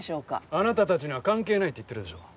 あなたたちには関係ないって言ってるでしょ。